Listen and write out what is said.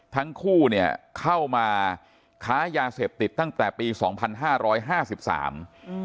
ทั้งคู่เนี่ยเข้ามาค้ายาเสพติดตั้งแต่ปีสองพันห้าร้อยห้าสิบสามอืม